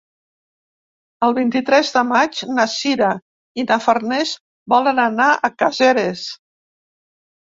El vint-i-tres de maig na Sira i na Farners volen anar a Caseres.